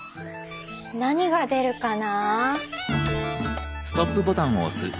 何が出るかな。